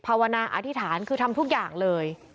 ภาวนาอธิษฐานคือทำทุกอย่างเลย